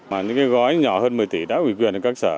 mà những cái gói nhỏ hơn một mươi tỷ đã quyền được các sở